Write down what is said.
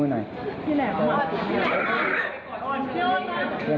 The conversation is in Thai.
ลองโน้นด้วยครับ